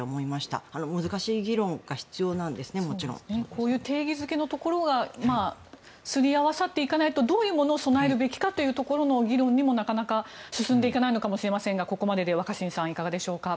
こういう定義付けのところがすり合わさっていかないとどういうものを備えるべきかってところの議論にもなかなか進んでいかないのかもしれませんがここまでで若新さんいかがでしょうか。